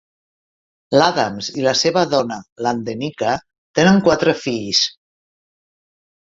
L'Adams i la seva dona, l'Andenika, tenen quatre fills.